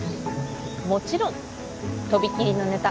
もちろんとびきりのネタ